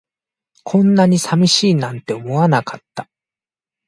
こんなに寂しいなんて思わなかった